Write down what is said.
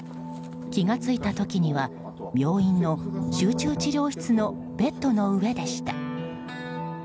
気が付いた時には、病院の集中治療室のベッドの上でした。